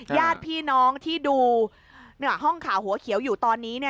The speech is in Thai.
ญาติพี่น้องที่ดูห้องข่าวหัวเขียวอยู่ตอนนี้